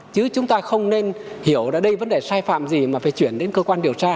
chứ chúng ta không nên hiểu là đây vấn đề sai phạm gì mà phải chuyển đến cơ quan điều tra